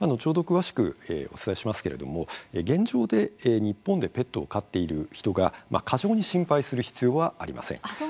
詳しくお伝えしますけれども現状で日本でペットを飼っている人が過剰に心配する必要はありません。